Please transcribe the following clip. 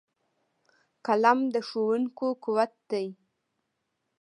قلم د ښوونکو قوت دی